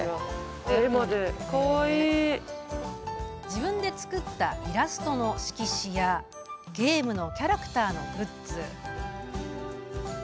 自分で作ったイラストの色紙やゲームのキャラクターのグッズ。